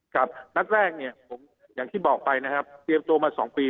กับนักแรงอย่างที่บอกไปนะครับเตรียมโตมาสองปี